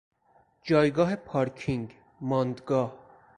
جایگاه پارکینگ، ماندگاه